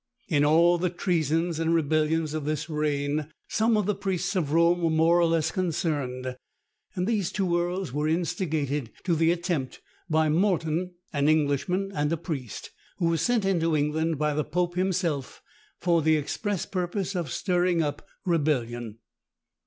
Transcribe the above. In all the treasons and rebellions of this reign some of the priests of Rome were more or less concerned; and these two earls were instigated to the attempt by Morton, an Englishman and a priest, who was sent into England by the pope himself, for the express purpose of stirring up rebellion.